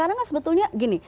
artinya sebetulnya gini